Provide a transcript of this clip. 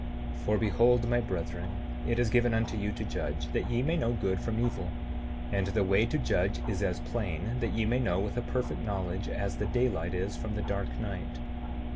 7:15 For behold, my brethren, it is given unto you to judge, that ye may know good from evil; and the way to judge is as plain, that ye may know with a perfect knowledge, as the daylight is from the dark night.